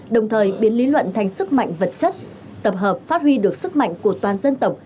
đồng thời biến lý luận thành sức mạnh vật chất tập hợp phát huy được sức mạnh của toàn dân tộc